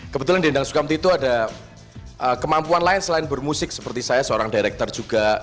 kebetulan di endang sukamti itu ada kemampuan lain selain bermusik seperti saya seorang director juga